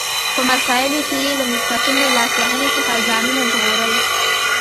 په مسایلو کې یې له مستقیمې لاس وهنې څخه ځانونه ژغورل.